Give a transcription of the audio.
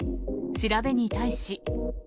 調べに対し。